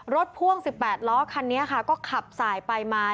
พ่วง๑๘ล้อคันนี้ค่ะก็ขับสายไปมา